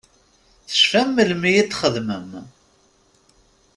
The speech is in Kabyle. Tecfam melmi i t-txedmem?